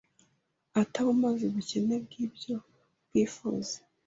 atabumaze ubukene bw’ibyo bwifuza